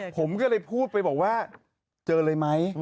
ผมก็เลยพูดไปบอกว่าเจอเลยไหม